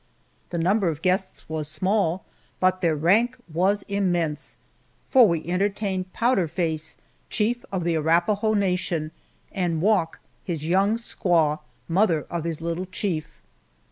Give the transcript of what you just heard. The number of guests was small, but their rank was immense, for we entertained Powder Face, Chief of the Arapahoe Nation, and Wauk, his young squaw, mother of his little chief.